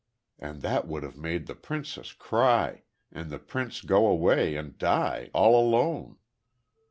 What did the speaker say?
And that would have made the princess cry, and the prince go away and die, all alone."